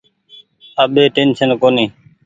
اٻي ٽيشن ڪونيٚ۔